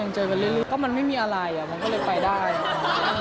เจอกันเรื่อยก็มันไม่มีอะไรอ่ะมันก็เลยไปได้